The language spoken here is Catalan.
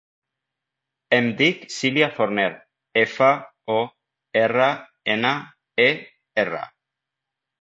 Em dic Silya Forner: efa, o, erra, ena, e, erra.